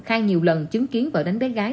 khai nhiều lần chứng kiến vợ đánh bé gái